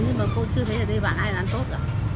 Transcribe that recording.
nhưng mà cô chưa thấy ở đây bạn ai là ăn tốt